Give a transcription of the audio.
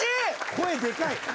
声でかい。